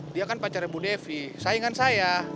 dia kan pacarnya bu devi saingan saya